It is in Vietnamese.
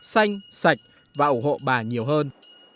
xanh sạch và ủng hộ bà nhiều hơn